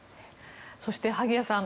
そして、萩谷さん